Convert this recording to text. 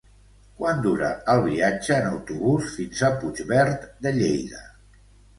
Quant dura el viatge en autobús fins a Puigverd de Lleida?